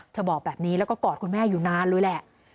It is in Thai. บอกแบบนี้แล้วก็กอดคุณแม่อยู่นานเลยแหละ